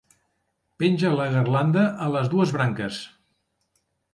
Penja la garlanda a les dues branques.